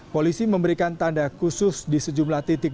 polisi memberikan tanda khusus di sejumlah titik